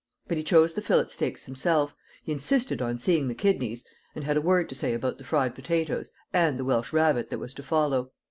But he chose the fillet steaks himself, he insisted on seeing the kidneys, and had a word to say about the fried potatoes, and the Welsh rarebit that was to follow.